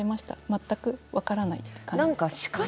全く分からない感じですか？